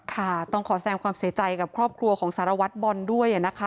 ค่ะต้องขอแสงความเสียใจกับครอบครัวของสารวัตรบอลด้วยนะคะ